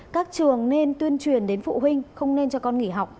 các trường nên tuyên truyền đến phụ huynh không nên cho con nghỉ học